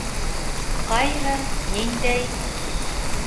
Ҡайһы, ниндәй